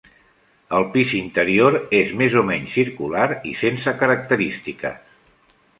El pis interior és més o menys circular i sense característiques.